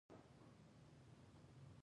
پسه د زړونو نرموالی زیاتوي.